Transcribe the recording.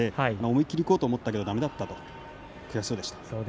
思い切りいこうと思ったけどだめだったと悔しそうでした。